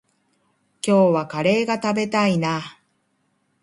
今日はカレーが食べたいな。